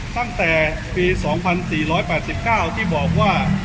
ตั้งแต่ปี๒๔๘๙ที่บอกว่า